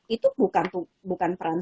itu bukan peran